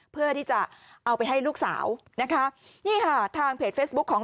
เพื่อที่จะเอาไปให้ลูกสาวนะคะนี่ค่ะทางเพจเฟซบุ๊คของ